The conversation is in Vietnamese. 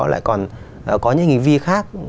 lại còn có những hành vi khác